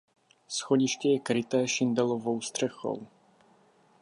Schodiště je kryté šindelovou střechou.